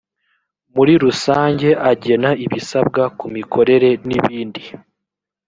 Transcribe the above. muri rusange agena ibisabwa ku mikorere n’ ibindi